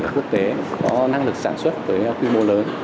quốc tế có năng lực sản xuất với quy mô lớn